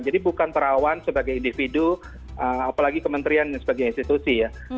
jadi bukan perawan sebagai individu apalagi kementerian sebagai institusi